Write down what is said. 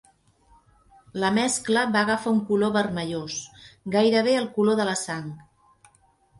La mescla va agafar un color vermellós, gairebé el color de la sang.